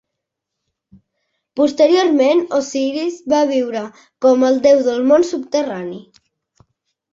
Posteriorment Osiris va viure com el déu del món subterrani.